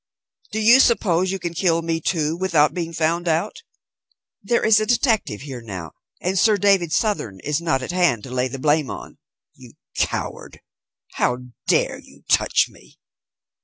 "Do you suppose you can kill me, too, without being found out? There is a detective here now, and Sir David Southern is not at hand to lay the blame on. You coward! How dare you touch me!"